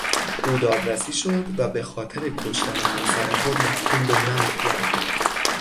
او دادرسی شد و به خاطر کشتن همسر خود محکوم به مرگ گردید.